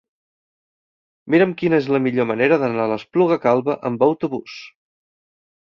Mira'm quina és la millor manera d'anar a l'Espluga Calba amb autobús.